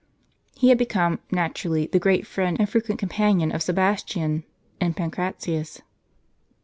He had become, naturally, the great friend and frequent companion of Sebastian and Pan cratius.